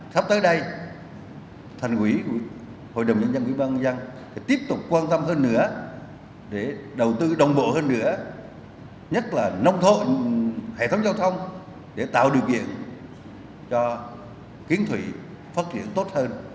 sắp tới đây thành quỹ hội đồng nhân dân quỹ văn dân sẽ tiếp tục quan tâm hơn nữa để đầu tư đồng bộ hơn nữa nhất là nông thôn hệ thống giao thông để tạo điều kiện cho kiến thủy phát triển tốt hơn